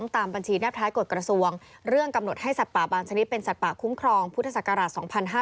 ตามบัญชีแนบท้ายกฎกระทรวงเรื่องกำหนดให้สัตว์ป่าบางชนิดเป็นสัตว์ป่าคุ้มครองพุทธศักราช๒๕๕๙